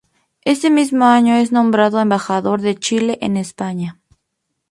Ese mismo año es nombrado embajador de Chile en España.